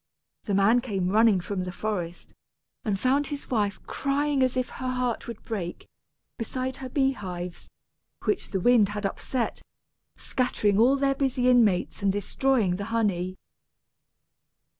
The man came running from the forest, and found his wife crying as if her heart would break, beside her bee hives, which the wind had upset, scattering all their busy inmates, and destroying the honey.